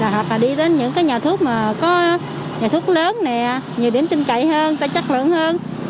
hoặc là đi đến những nhà thuốc mà có nhà thuốc lớn nhiều điểm tin cậy hơn chất lượng hơn